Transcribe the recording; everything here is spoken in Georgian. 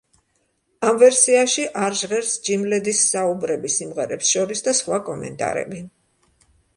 ამ ვერსიაში არ ჟღერს ჯიმ ლედის საუბრები სიმღერებს შორის და სხვა კომენტარები.